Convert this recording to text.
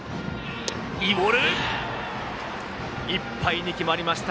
いっぱいに決まりました。